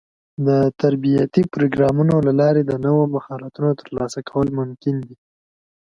د تربيتي پروګرامونو له لارې د نوو مهارتونو ترلاسه کول ممکن دي.